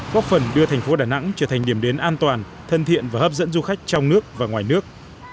góp phần đưa thành phố đà nẵng trở thành điểm đến an toàn thân thiện và hấp dẫn du khách trong nước và ngoài nước